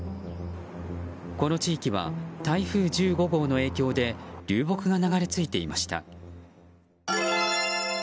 この地域は台風１５号の影響で流木が流れ着いていました。